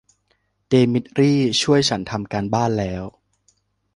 เดมิทรี่ช่วยฉันทำการบ้านแล้ว